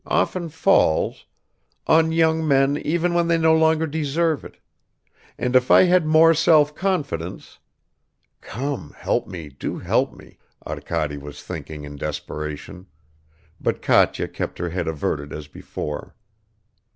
. often falls ... on young men even when they no longer deserve it; and if I had more self confidence ..." ("Come, help me, do help me," Arkady was thinking in desperation, but Katya kept her head averted as before.)